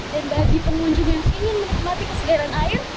dan bagi pengunjung yang ingin menikmati kesegaran air